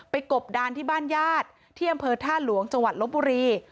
กบดานที่บ้านญาติที่อำเภอท่าหลวงจังหวัดลบบุรี